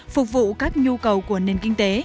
phục vụ các nhu cầu của nền kinh tế